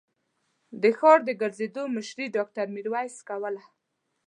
د ښار د ګرځېدو مشري ډاکټر ميرويس کوله.